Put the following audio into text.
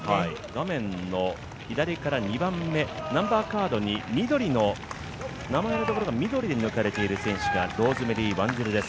画面の左から２番目、ナンバーカードに名前のところが緑になっているのがローズメリー・ワンジルです